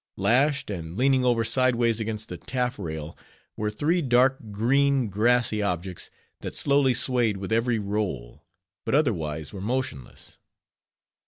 Lashed, and leaning over sideways against the taffrail, were three dark, green, grassy objects, that slowly swayed with every roll, but otherwise were motionless.